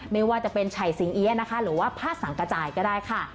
ไม่ว่าจะเป็นไฉสิงเอี๊ยะนะคะหรือว่าผ้าสังกระจายก็ได้ค่ะ